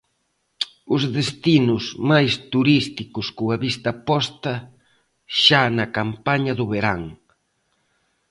Os destinos máis turísticos, coa vista posta xa na campaña do verán.